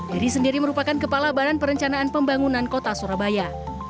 erick sendiri merupakan kepala baran perencanaan pembangunan kota surabaya